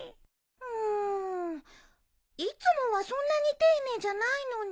うんいつもはそんなに丁寧じゃないのに。